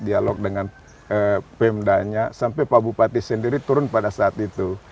dialog dengan pemdanya sampai pak bupati sendiri turun pada saat itu